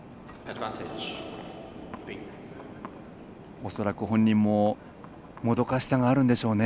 おそらく本人ももどかしさがあるんでしょうか？